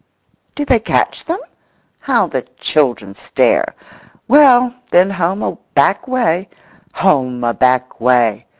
Do they catch them? How the children stare! Well, then home a back way—"Home a back way!"